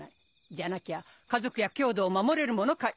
じゃなきゃ家族や郷土を守れるものかい。